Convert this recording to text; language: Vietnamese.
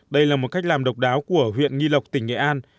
đây là một cách làm độc đáo của huyện nghi lộc tỉnh nghệ an